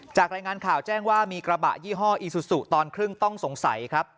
รายงานข่าวแจ้งว่ามีกระบะยี่ห้ออีซูซูตอนครึ่งต้องสงสัยครับ